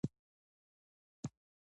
ډګروال د کان لاره له لیرې نظارت کوله